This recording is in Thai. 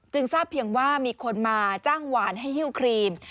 ทราบเพียงว่ามีคนมาจ้างหวานให้ฮิ้วครีม